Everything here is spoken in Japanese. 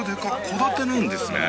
戸建てなんですね。